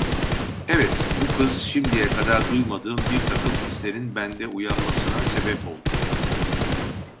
Evet, bu kız şimdiye kadar duymadığım birtakım hislerin bende uyanmasına sebep oldu.